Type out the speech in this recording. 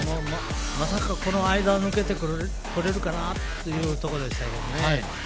まさかこの間を抜けてくるかというところでしたけどね。